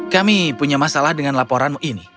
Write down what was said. kami punya masalah dengan laporanmu ini